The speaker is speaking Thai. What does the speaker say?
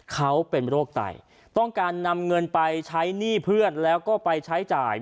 เขาเป็นโรคไตต้องการนำเงินไปใช้หนี้เพื่อนแล้วก็ไปใช้จ่าย